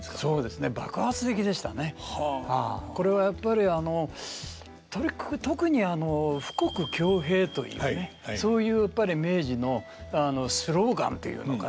これはやっぱりあの特にあの富国強兵というねそういうやっぱり明治のスローガンというのかな